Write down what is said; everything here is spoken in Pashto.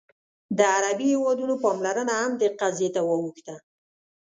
د عربي هېوادونو پاملرنه هم دې قضیې ته واوښته.